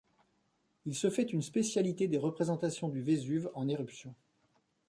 Il se fait une spécialité des représentations du Vésuve en éruption.